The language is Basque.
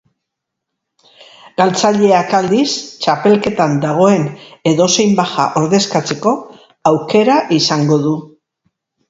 Galtzaileak, aldiz, txapelketan dagoen edozein baja ordezkatzeko aukera izango du.